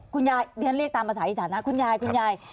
คุณยายเรียกตามภาษาอิสัยนะคุณยายคุณยาย